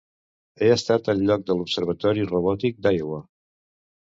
Ha estat el lloc de l'Observatori robòtic d'Iowa.